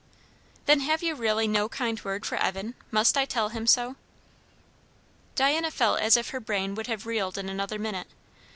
"Then have you really no kind word for Evan? must I tell him so?" Diana felt as if her brain would have reeled in another minute.